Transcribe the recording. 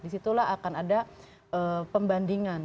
disitulah akan ada pembandingan